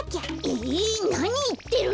えなにいってるの！